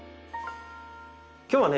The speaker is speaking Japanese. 今日はね